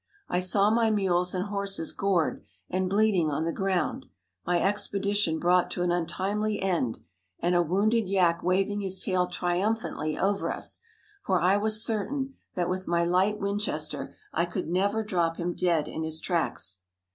I saw my mules and horses gored and bleeding on the ground, my expedition brought to an untimely end, and a wounded yak waving his tail triumphantly over us, for I was certain that with my light Winchester I could never drop him dead in his tracks.